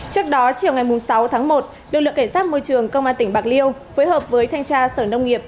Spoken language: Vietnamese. trước đó chiều ngày sáu tháng một lực lượng cảnh sát môi trường công an tỉnh bạc liêu phối hợp với thanh tra sở nông nghiệp